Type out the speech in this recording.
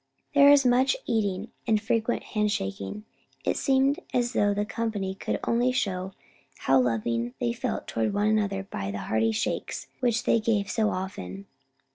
There is much eating, and frequent handshaking. It seemed as though the company could only show how loving they felt toward one another by the hearty shakes which they gave so often.